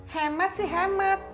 hemat sih hemat